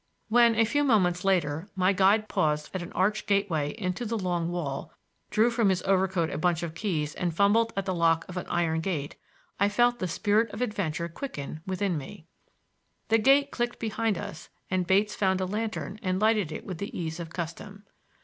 When, a few moments later, my guide paused at an arched gateway in the long wall, drew from his overcoat a bunch of keys and fumbled at the lock of an iron gate, I felt the spirit of adventure quicken within me. The gate clicked behind us and Bates found a lantern and lighted it with the ease of custom.